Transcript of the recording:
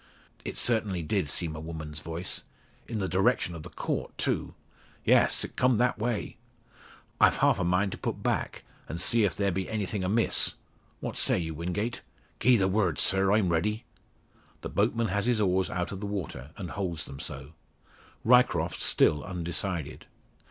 "It certainly did seem a woman's voice. In the direction of the Court, too!" "Yes; it comed that way." "I've half a mind to put back, and see if there be anything amiss. What say you, Wingate?" "Gie the word, sir! I'm ready." The boatman has his oars out of water, and holds them so, Ryecroft still undecided.